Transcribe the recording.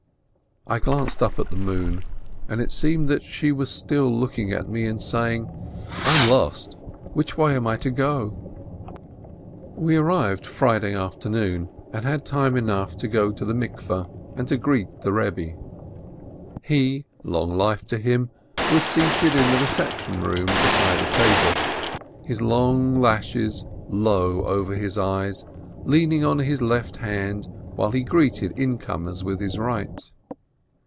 I glanced up at the moon, and it seemed that she was still looking at me, and saying, "I'm lost; which way am I to go ?" We arrived Friday afternoon, and had time enough to go to the bath and to greet the Rebbe. He, long life to him, was seated in the reception room beside a table, his long lashes low over his eyes, leaning on his left hand, while he greeted incomers with his right.